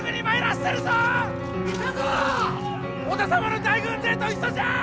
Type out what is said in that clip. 織田様の大軍勢と一緒じゃ！